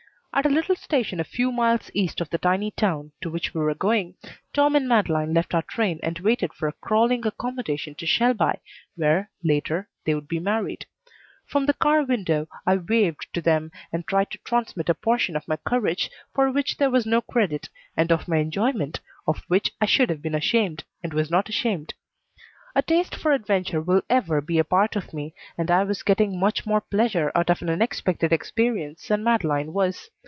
At a little station a few miles east of the tiny town to which we were going, Tom and Madeleine left our train and waited for a crawling accommodation to Shelby, where, later, they would be married. From the car window I waved to them and tried to transmit a portion of my courage, for which there was no credit, and of my enjoyment, of which I should have been ashamed and was not ashamed. A taste for adventure will ever be a part of me, and I was getting much more pleasure out of an unexpected experience than Madeleine was.